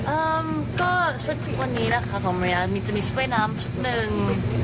เอ่อก็ชุดพลิกวันนี้นะคะของเรียมีจะมีชุดว่ายน้ำชุดหนึ่ง